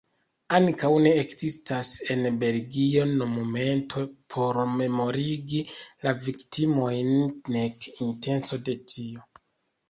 Ankaŭ ne ekzistas en Belgio monumento por memorigi la viktimojn, nek intenco de tio.